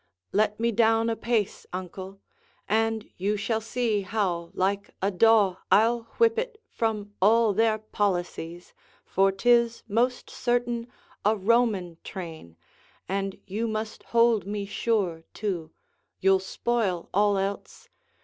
Hengo Let me down apace, uncle, And you shall see how like a daw I'll whip it From all their policies; for 'tis most certain A Roman train: and you must hold me sure, too; You'll spoil all else.